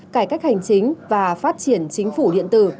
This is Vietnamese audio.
cải cách hành chính và phát triển chính phủ điện tử